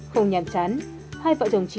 không nhàm chán hai vợ chồng chị